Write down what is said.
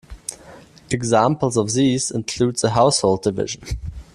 Examples of these include the Household Division.